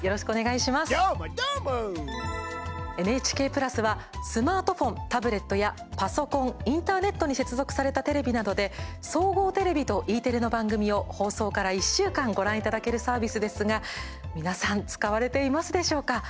ＮＨＫプラスはスマートフォン、タブレットやパソコン、インターネットに接続されたテレビなどで総合テレビとＥテレの番組を放送から１週間ご覧いただけるサービスですが、皆さん使われていますでしょうか？